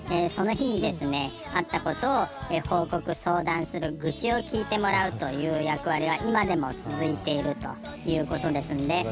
その日にあったことを報告相談する愚痴を聞いてもらうという役割は今でも続いているということですんで。